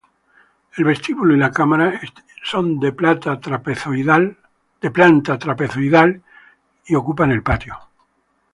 El vestíbulo y la cámara, esta de planta trapezoidal, ocupan el patio.